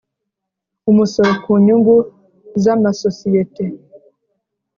Umusoro ku nyungu z amasosiyete